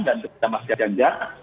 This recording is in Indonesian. dan mas ganjar